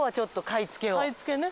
買い付けね。